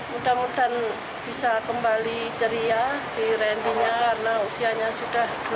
mudah mudahan bisa kembali ceria si trendinya karena usianya sudah dua puluh empat tahun